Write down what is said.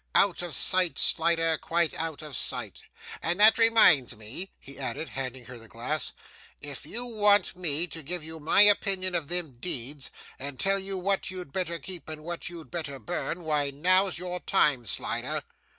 Out of sight, Slider, quite out of sight. And that reminds me,' he added, handing her the glass, 'if you want me to give you my opinion of them deeds, and tell you what you'd better keep and what you'd better burn, why, now's your time, Slider.